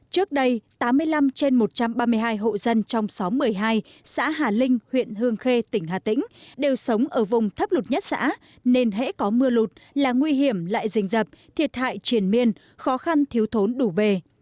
trước đây tám mươi năm trên một trăm ba mươi hai hộ dân trong xóm một mươi hai xã hà linh huyện hương khê tỉnh hà tĩnh đều sống ở vùng thấp lụt nhất xã nên hễ có mưa lụt là nguy hiểm lại rình rập thiệt hại triển miên khó khăn thiếu thốn đủ về